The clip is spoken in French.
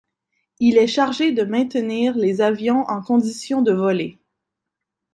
Il est chargé de maintenir les avions en condition de voler.